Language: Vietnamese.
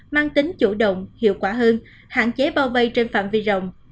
mang tính chủ động hiệu quả hơn hạn chế bao vây trên phạm vi rộng